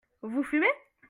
Vous fumez ?